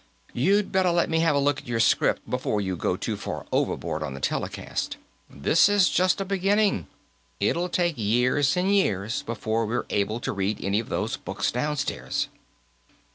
"You'd better let me have a look at your script, before you go too far overboard on the telecast. This is just a beginning; it'll take years and years before we're able to read any of those books downstairs."